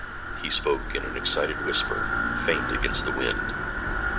He spoke in an excited whisper, faint against the wind.